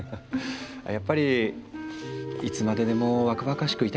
やっぱりいつまででも若々しくいたいですか？